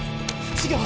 違う！